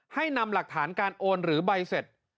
ให้นำหลักฐานการโอนหรือใบเสร็จ